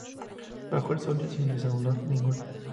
Bajó del solio sin deshonor ninguno.